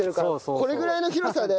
これぐらいの広さで。